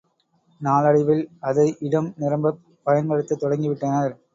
நாளடைவில் அதை இடம் நிரம்பப் பயன்படுத்தத் தொடங்கி விட்டனர்.